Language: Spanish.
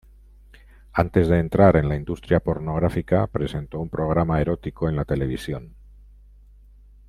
Antes de entrar en la industria pornográfica, presentó un programa erótico en la televisión.